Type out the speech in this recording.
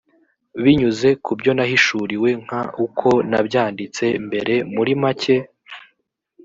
binyuze ku byo nahishuriwe nk uko nabyanditse mbere muri make